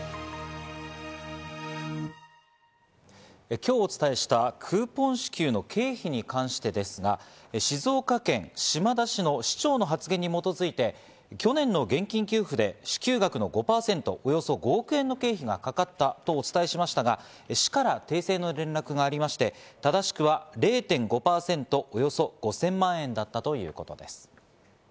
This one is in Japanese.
今日お伝えしたクーポン支給の経費に関してですが、静岡県島田市の市長の発言に基づいて、去年の現金給付で支給額の５％、およそ５億円の経費がかかったとお伝えしましたが、市から訂正の連絡がありまして、正しくは０．５％、およそ５０００万円だったということです。